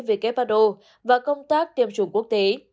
về kepardo và công tác tiêm chủng quốc tế